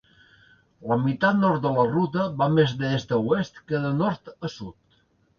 La meitat nord de la ruta va més d'est a oest que de nord a sud.